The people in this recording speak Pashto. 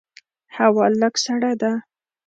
هوا لږه سړه ده.